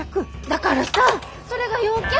だからさそれが用件。